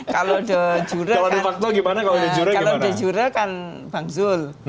kalau de jure kan bang zul